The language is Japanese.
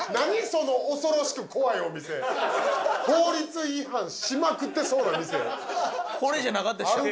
その恐ろしく怖いお店法律違反しまくってそうな店これじゃなかったでした？